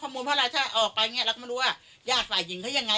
ข้อมูลพระราชาออกไปเนี้ยเราก็ไม่รู้ว่าญาติฝ่ายหญิงเขายังไง